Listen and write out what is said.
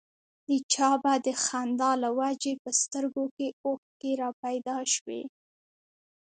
د چا به د خندا له وجې په سترګو کې اوښکې را پيدا شوې.